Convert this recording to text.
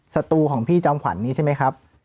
สตูของพี่จอมขวัญนี้ใช่ไหมครับ